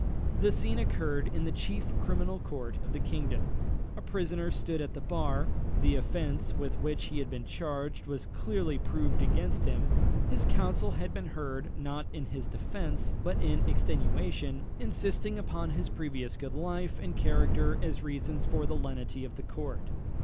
The scene occurred in the chief criminal court of the kingdom. A prisoner stood at the bar; the offence with which he had been charged was clearly proved against him; his counsel had been heard, not in his defence, but in extenuation, insisting upon his previous good life and character as reasons for the lenity of the court.